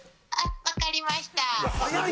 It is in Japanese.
「わかりました」